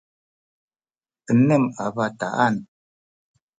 enem a bataan